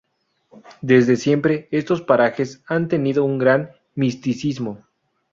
Desde siempre estos parajes han tenido un gran misticismo.